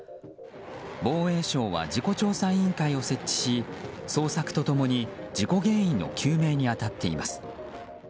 防衛省は事故調査委員会を設置し捜索と共に事故原因の究明に当たっています。